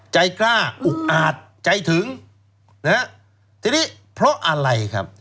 ใจกล้าอุกอาจใจถึงนะฮะทีนี้เพราะอะไรครับ